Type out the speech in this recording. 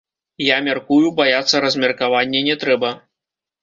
Я мяркую, баяцца размеркавання не трэба.